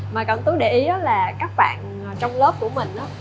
mà cẩn thận để ý là các bạn trong lớp của mình